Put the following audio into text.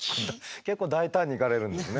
結構大胆にいかれるんですね。